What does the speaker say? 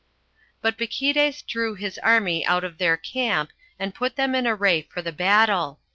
2. But Bacchldes drew his army out of their camp, and put them in array for the battle.